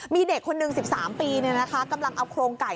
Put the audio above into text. มีเด็กคนหนึ่ง๑๓ปีกำลังเอาโครงไก่